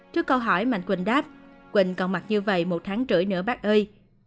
trước câu hỏi mạnh quỳnh đáp quỳnh còn mặc như vậy một tháng rưỡi nữa bác ơi